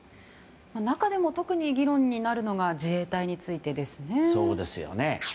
中でも特に議論になるのが自衛隊についてですね。